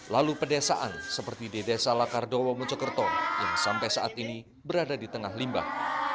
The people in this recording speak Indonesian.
lalu pedesaan seperti di desa lakardowo mojokerto yang sampai saat ini berada di tengah limbah